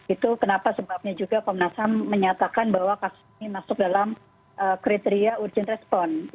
itu kenapa sebabnya juga komnas ham menyatakan bahwa kasus ini masuk dalam kriteria urgent respon